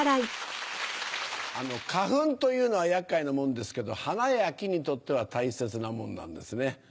花粉というのは厄介なもんですけど花や木にとっては大切なもんなんですね。